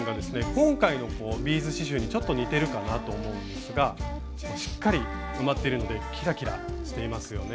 今回のビーズ刺しゅうにちょっと似てるかなと思うんですがしっかり埋まっているのでキラキラしていますよね。